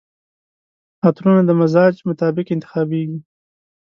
عطرونه د مزاج مطابق انتخابیږي.